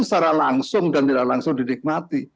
secara langsung dan tidak langsung didikmati